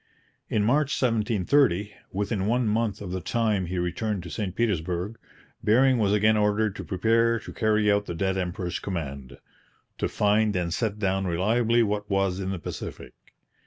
In March 1730, within one month of the time he returned to St Petersburg, Bering was again ordered to prepare to carry out the dead emperor's command 'to find and set down reliably what was in the Pacific.'